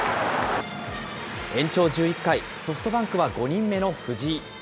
延長１１回、ソフトバンクは５人目の藤井。